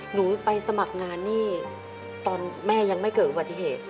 หนูไปสมัครงานนี่ตอนแม่ยังไม่เกิดอุบัติเหตุ